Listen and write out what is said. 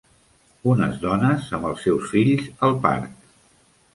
Unes dones amb els seus fills al parc